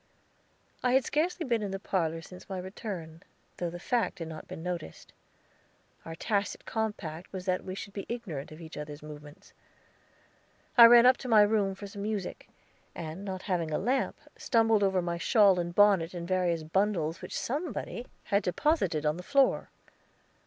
I had scarcely been in the parlor since my return, though the fact had not been noticed. Our tacit compact was that we should be ignorant of each other's movements. I ran up to my room for some music, and, not having a lamp, stumbled over my shawl and bonnet and various bundles which somebody had deposited on the floor.